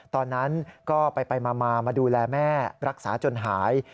ตอนนั้นก็ไปมามาดูแลแม่รักษาจนหาย